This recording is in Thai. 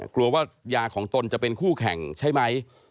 กลัวว่ายาของตนจะเป็นคู่แข่งใช่ไหม